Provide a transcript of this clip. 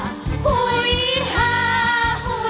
ฮุยฮาฮุยฮารอบนี้ดูทางเวที